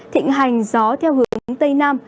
thịnh hành gió theo hướng tây nam